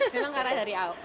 memang karena dari awal